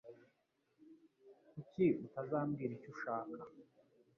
Kuki utazambwira icyo ushaka